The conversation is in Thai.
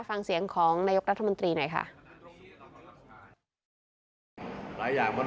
ฟังเสียงของนายกรัฐมนตรีหน่อยค่ะ